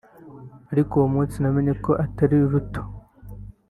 aliko uwo munsi namenye ko atari ruto